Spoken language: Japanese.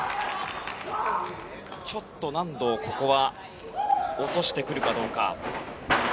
ちょっと難度をここは落としてくるか。